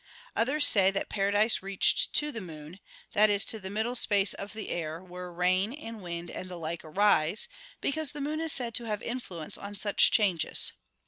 Others say that paradise reached to the moon that is, to the middle space of the air, where rain, and wind, and the like arise; because the moon is said to have influence on such changes.